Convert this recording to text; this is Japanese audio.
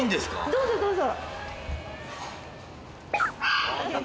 どうぞどうぞ。